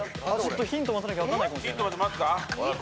ヒント待たなきゃ分かんないかもしれない。